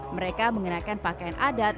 mereka mengenakan pakaian adat